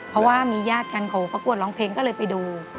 เพราะว่ามีญาติกันเขาประกวดร้องเพลงก็เลยไปดู